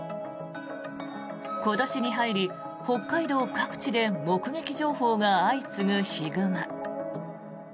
今年に入り北海道各地で目撃情報が相次ぐヒグマ。